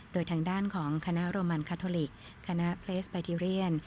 โดยทางด้านของคณะโรมันคาทอลิกคณะเพลสไบทีเรียน